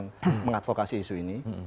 untuk melakukan mengadvokasi isu ini